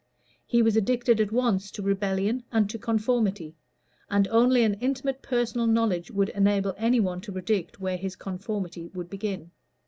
He was addicted at once to rebellion and to conformity, and only an intimate personal knowledge could enable any one to predict where his conformity would begin.